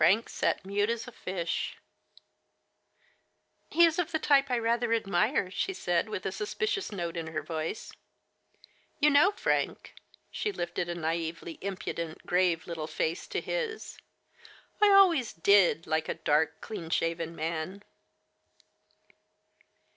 Frank sat mute as a fish. " He is of the type I rather admire," she said, with a suspicious note in her voice. " You know, Frank," she lifted a naively impudent, grave little face to his, I always did like a dark, clean shaven man!"